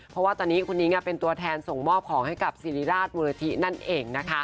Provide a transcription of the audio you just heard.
เพราะว่าตอนนี้คุณนิ้งเป็นตัวแทนส่งมอบของให้กับสิริราชมูลนิธินั่นเองนะคะ